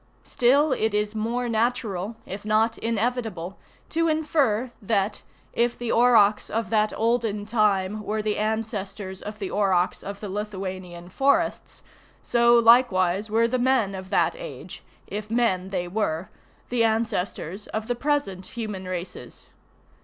Still it is more natural, if not inevitable, to infer, that, if the aurochs of that olden 'time were the ancestors of the aurochs of the Lithuanian forests, so likewise were the men of that age if men they wereŌĆö the ancestors of the present human races.